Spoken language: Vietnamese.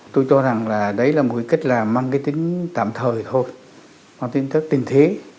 tôi cho rằng là đấy là một cách là mang cái tính tạm thời thôi mang tính thế